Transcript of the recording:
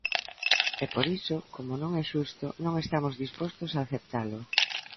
E, por iso, como non é xusto, non estamos dispostos a aceptalo.